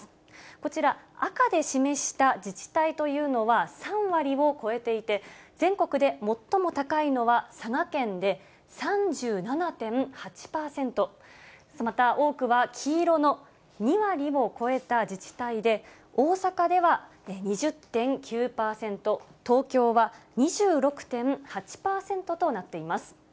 こちら、赤で示した自治体というのは３割を超えていて、全国で最も高いのは佐賀県で、３７．８％、また、多くは黄色の２割を超えた自治体で、大阪では２０．９％、東京は２６．８％となっています。